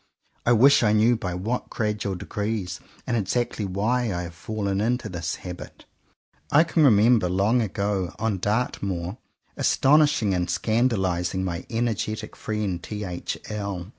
I wish I knew by what gradual degrees, and exactly why, I have fallen into this habit. I can remember long ago, on Dartmoor, astonishing and scandalizing my energetic friend T. H. L.